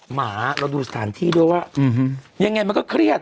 หมาเราดูสถานที่ด้วยว่ายังไงมันก็เครียด